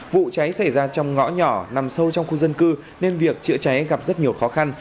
vụ cháy xảy ra trong ngõ nhỏ nằm sâu trong khu dân cư nên việc chữa cháy gặp rất nhiều khó khăn